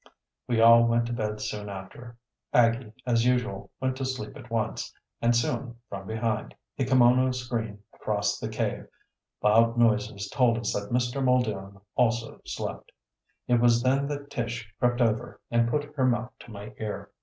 We all went to bed soon after. Aggie, as usual, went to sleep at once, and soon, from, behind the kimono screen across the cave, loud noises told us that Mr. Muldoon also slept. It was then that Tish crept over and put her mouth to my ear.